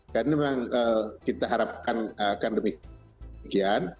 dan memang kita harapkan akan demikian